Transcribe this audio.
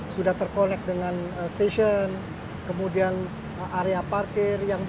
sudah terconnect dengan station kemudian area parkir